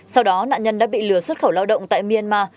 sau đó nạn nhân đã bị lừa xuất khẩu lao động tại myanmar